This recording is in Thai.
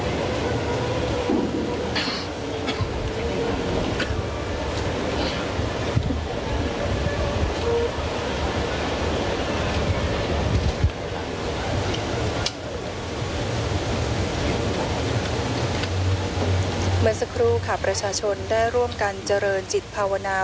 เมื่อสักครู่ค่ะประชาชนได้ร่วมกันเจริญจิตภาวนา